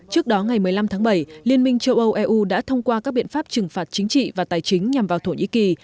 trước đó ngày một mươi năm tháng bảy liên minh châu âu eu đã thông qua các biện pháp trừng phạt chính trị và tài chính nhằm vào thổ nhĩ kỳ